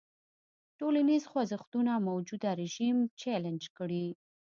ټولنیز خوځښتونه موجوده رژیم چلنج کړي.